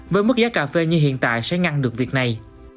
với mức giá cà phê như hiện tại sẽ ngăn được việc này